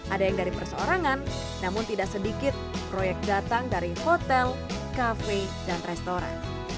ada yang dari perseorangan namun tidak sedikit proyek datang dari hotel kafe dan restoran